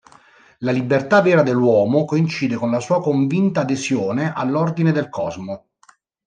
La libertà "vera" dell'uomo coincide con la sua convinta adesione all'ordine del cosmo.